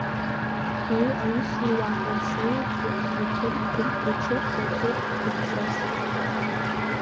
Уи аус луан Арсаултәи аҳақьымтә пункт аҿы ҳақьымтә еҳәшьас.